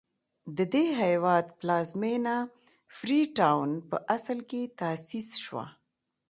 د دې هېواد پلازمېنه فري ټاون په اصل کې تاسیس شوه.